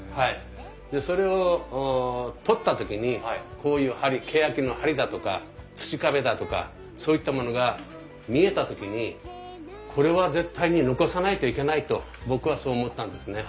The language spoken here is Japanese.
それを取った時にこういうけやきの梁だとか土壁だとかそういったものが見えた時にこれは絶対に残さないといけないと僕はそう思ったんですね。